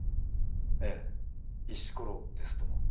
ええ石ころですとも。